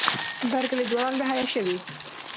بر کلي ځوانان بې حیا شوي.